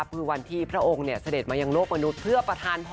คือวันที่พระองค์เสด็จมายังโลกมนุษย์เพื่อประธานพร